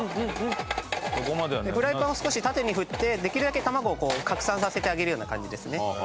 フライパンを少し縦に振ってできるだけ卵をこう拡散させてあげるような感じですね。